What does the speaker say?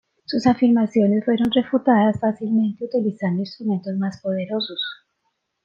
Sus afirmaciones fueron refutadas fácilmente utilizando instrumentos más poderosos.